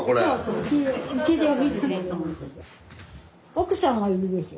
奥さんもいるでしょ。